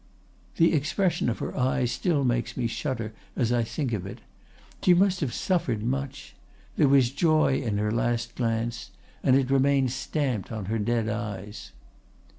"'The expression of her eyes still makes me shudder as I think of it. She must have suffered much! There was joy in her last glance, and it remained stamped on her dead eyes.